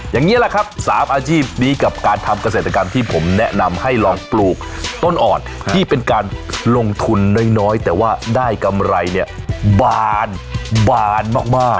อย่างนี้แหละครับ๓อาชีพนี้กับการทำเกษตรกรรมที่ผมแนะนำให้ลองปลูกต้นอ่อนที่เป็นการลงทุนน้อยแต่ว่าได้กำไรเนี่ยบานมาก